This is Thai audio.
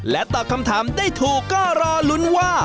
ตอบคำถามได้ถูกก็รอลุ้นว่า